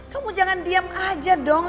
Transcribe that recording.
kamu jangan diam aja dong